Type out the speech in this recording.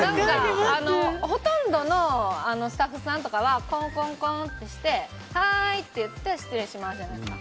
ほとんどのスタッフさんとかはコンコンコンってしてはーいって言って失礼しますじゃないですか。